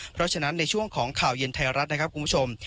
เพราะฉะนั้นในช่วงของข่าวเย็นไทยรัฐนะครับคุณผู้ชม